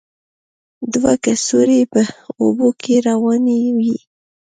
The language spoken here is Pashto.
دوه کڅوړې په اوبو کې روانې وې.